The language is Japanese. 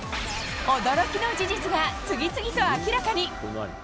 驚きの事実が次々と明らかに。